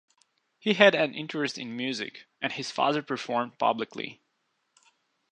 He had an interest in music, and his father performed publicly.